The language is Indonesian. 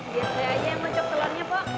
biar gue aja yang mencop telurnya pok